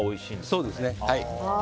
そうですね、はい。